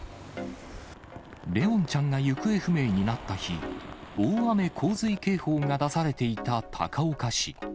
怜音ちゃんが行方不明になった日、大雨洪水警報が出されていた高岡市。